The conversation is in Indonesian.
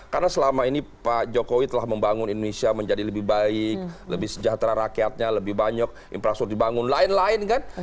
karena selama ini pak jokowi telah membangun indonesia menjadi lebih baik lebih sejahtera rakyatnya lebih banyak infrastruktur dibangun lain lain kan